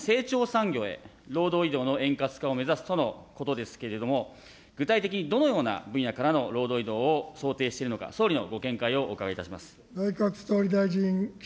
リスキリング施策によって、主に成長産業へ労働移動の円滑化を目指すとのことですけれども、具体的にどのような分野からの労働移動を想定しているのか、総理のご見解をお伺いいたします。